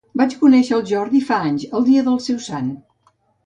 Vaig conèixer el Jordi fa anys, el dia del seu sant.